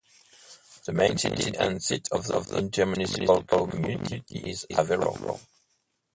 The main city and seat of the intermunicipal community is Aveiro.